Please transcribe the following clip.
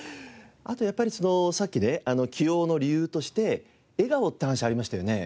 あとやっぱりさっきね起用の理由として笑顔って話ありましたよね。